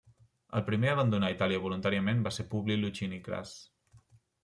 El primer a abandonar Itàlia voluntàriament va ser Publi Licini Cras.